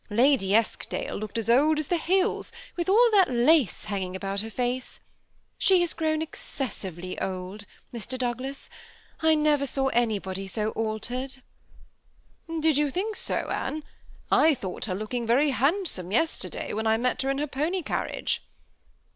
Lady Eskdale looked as old as the hills, with all that lace hanging about her face. She has grown excessively old, Mr. Douglas. I never saw anybody so altered.*' " Did you think so, Anne ? I thought her looking very handsome yesterday, when 1 met her in her pony carriage."